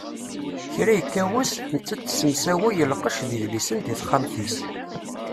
Kra ikka wass, nettat tessemsaway lqecc d yedlisen di texxamt-is.